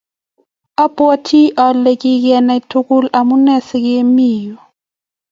abwatii ale kingentugul amune siomii yu.